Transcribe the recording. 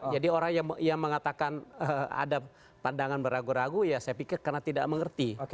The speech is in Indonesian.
orang yang mengatakan ada pandangan beragu ragu ya saya pikir karena tidak mengerti